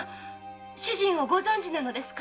主人をご存知なのですか？